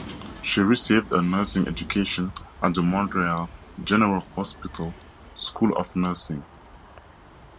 She received her nursing education at the Montreal General Hospital School of Nursing.